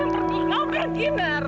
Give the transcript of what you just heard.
kamu pergi nara kamu pergi kamu pergi